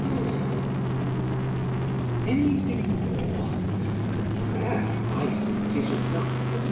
Anything more? The prayer, I think, is enough for me.